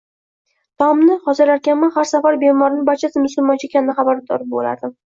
Taomni hozirlarkanman, har safar bemorimni barchasi musulmoncha ekanidan boxabar qilardim